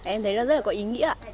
em thấy nó rất là có ý nghĩa